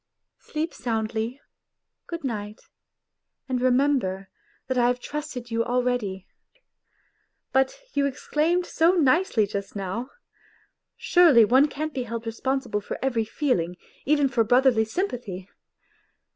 " Sleep soundly. Good night, and remember that I have trusted you already. But you exclaimed so nicely just now, ' Surely one can't be held responsible for every feeling, even for brotherly sympathy